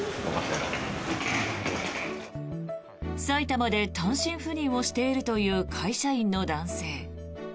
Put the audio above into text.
埼玉で単身赴任をしているという会社員の男性。